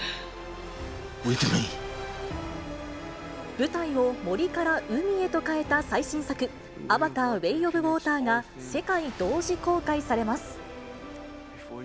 舞台を森から海へと変えた最新作、アバター：ウェイ・オブ・ウォーターが世界同時公開されます。